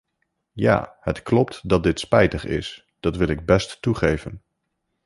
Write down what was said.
Ja, het klopt dat dit spijtig is, dat wil ik best toegeven.